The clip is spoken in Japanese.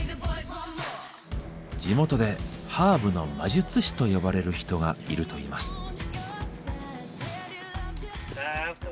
地元で「ハーブの魔術師」と呼ばれる人がいるといいます。